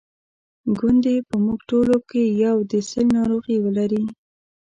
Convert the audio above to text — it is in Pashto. ګوندي په موږ ټولو کې یو د سِل ناروغي ولري.